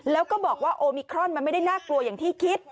แล้วก็บอกว่าโอมิครอนมันไม่ได้น่ากลัวอย่างที่คิด